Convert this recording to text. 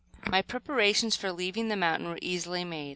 My preparations for leaving the mountain were easily made.